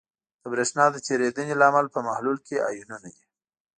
د برېښنا تیریدنې لامل په محلول کې آیونونه دي.